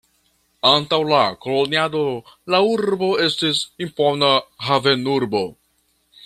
Antaŭ la koloniado la urbo estis impona havenurbo.